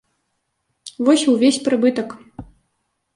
Вось і ўвесь прыбытак.